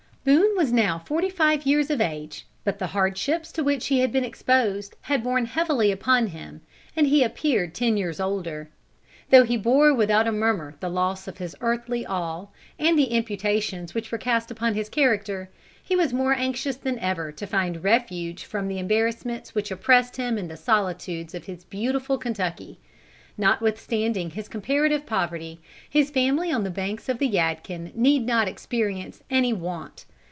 Boone was now forty five years of age, but the hardships to which he had been exposed had borne heavily upon him, and he appeared ten years older. Though he bore without a murmur the loss of his earthly all, and the imputations which were cast upon his character, he was more anxious than ever to find refuge from the embarrassments which oppressed him in the solitudes of his beautiful Kentucky. Notwithstanding his comparative poverty, his family on the banks of the Yadkin need not experience any want.